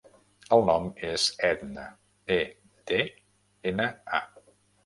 El nom és Edna: e, de, ena, a.